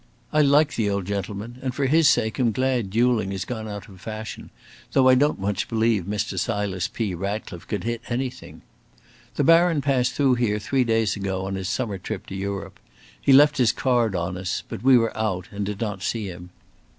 I like the old gentleman, and for his sake am glad duelling is gone out of fashion, though I don't much believe Mr. Silas P. Ratcliffe could hit anything. The Baron passed through here three days ago on his summer trip to Europe. He left his card on us, but we were out, and did not see him.